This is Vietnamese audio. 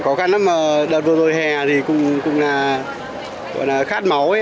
được hơn một mươi một đơn vị máu vượt hai mươi sáu so với kế hoạch